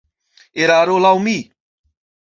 Eraro, laŭ mi.